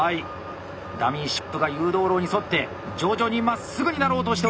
ダミーシップが誘導路に沿って徐々にまっすぐになろうとしております。